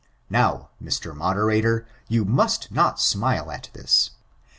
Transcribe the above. Now, Mr. Moderator, you must not smile at this.